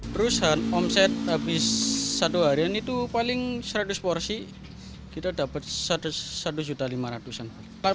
perusahaan omset habis satu harian itu paling seratus porsi kita dapat satu lima ratus an